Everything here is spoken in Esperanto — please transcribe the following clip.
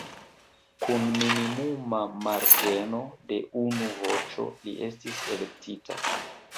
Kun minimuma marĝeno de unu voĉo li estis elektita.